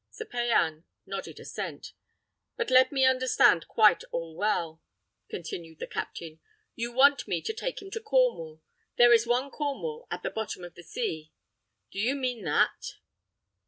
Sir Payan nodded assent. "But let me understand quite all well," continued the captain: "you want me to take him to Cornwall. There is one Cornwall at the bottom of the sea; do you mean that?"